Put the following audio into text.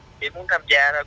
em muốn tham gia thôi